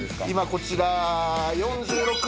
今こちら。